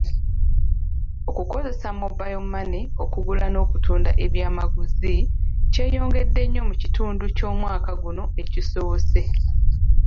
Okukozesa mobile money okugula n'okutunda ebyamaguzi kyeyongedde nnyo mu kitundu ky'omwaka guno ekisoose.